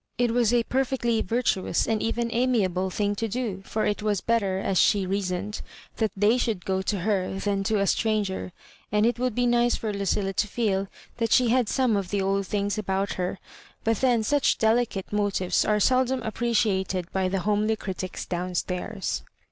It was a perfectly vurtuous and even amiable thing to do, for it was better, as she rea soned, that they should go to her than to a stran ger, and it would be nice for Lucilla to feel that she had some of the old things about her; but then such delicate motives are seldom appreciat ed by the homely critics down stairs.